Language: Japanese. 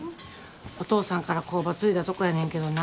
お父さんから工場継いだとこやねんけどな。